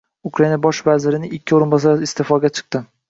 Ukrainada bosh vazirning ikki o‘rinbosari iste’foga chiqdi